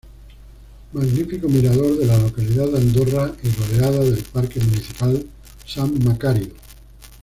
Magnífico mirador de la localidad de Andorra y rodeada del Parque Municipal San Macario.